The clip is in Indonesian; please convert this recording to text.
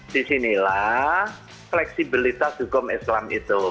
di sini adalah fleksibilitas hukum islam